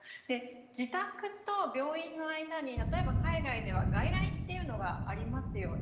自宅と病院の間に例えば海外では外来というのがありますよね。